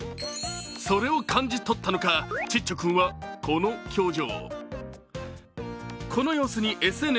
それを感じとったのかちっちょ君は、この表情。